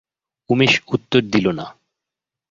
উমেশ উত্তর দিল না।